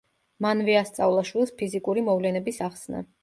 მანვე ასწავლა შვილს ფიზიკური მოვლენების ახსნა.